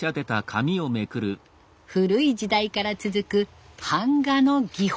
古い時代から続く版画の技法。